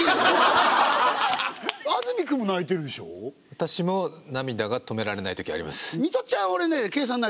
私も涙が止められないときあります。